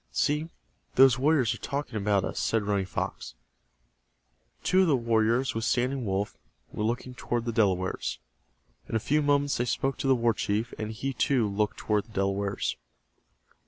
"See, those warriors are talking about us," said Running Fox. Two of the warriors with Standing Wolf were looking toward the Delawares. In a few moments they spoke to the war chief, and he, too, looked toward the Delawares.